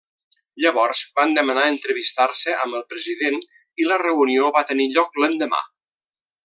Llavors van demanar entrevistar-se amb el president i la reunió va tenir lloc l'endemà.